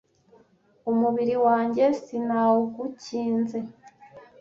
Umubiri wanjye sinawugukinze